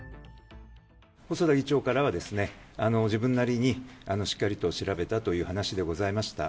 細田議長からは、自分なりにしっかりと調べたという話でございました。